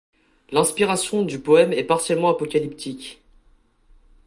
L'inspiration du poème est partiellement apocalyptique.